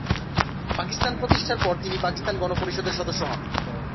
পাকিস্তান প্রতিষ্ঠার পর তিনি পাকিস্তান গণপরিষদের সদস্য হন।